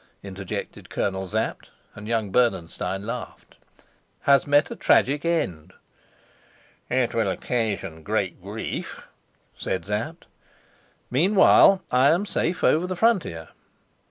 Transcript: interjected Colonel Sapt; and young Bernenstein laughed. "Has met a tragic end." "It will occasion great grief," said Sapt. "Meanwhile, I am safe over the frontier."